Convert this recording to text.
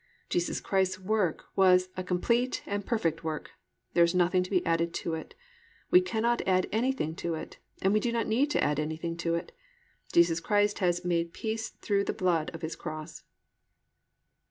Jesus Christ's work was a complete and perfect work. There is nothing to be added to it. We cannot add anything to it, and we do not need to add anything to it. Jesus Christ has "made peace through the blood of His cross."